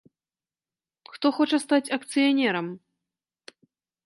Хто хоча стаць акцыянерам?